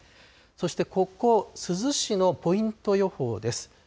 そして、ここ、珠洲市のポイント予報です。